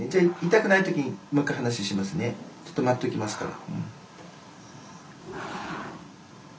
ちょっと待っときますから。